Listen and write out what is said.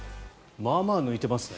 まあまあ抜いてますね。